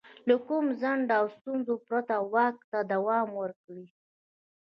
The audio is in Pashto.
له کوم خنډ او ستونزې پرته واک ته دوام ورکړي.